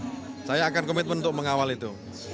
saya akan komitmen untuk mengawal itu